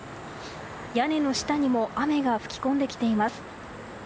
屋根の下にも雨が吹き込んできています。